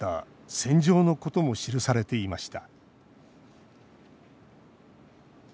戦場のことも記されていました